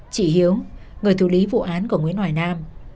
chị hiếu người thủ lý vụ án của nguyễn hoài nam